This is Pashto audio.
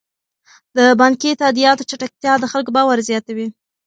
د بانکي تادیاتو چټکتیا د خلکو باور زیاتوي.